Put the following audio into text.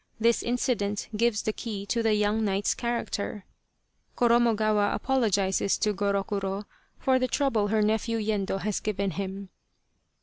This incident gives the key to the young knight's character. Korornogawa apologizes to Gorokuro for the trouble her nephew Yendo has given him.